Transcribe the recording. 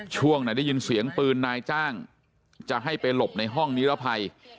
ช่วงไหนได้ยินเสียงปืนนายจ้างจะให้ไปหลบในห้องนิรภัย